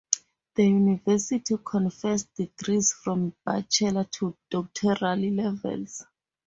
The University confers degrees from bachelor to doctoral levels.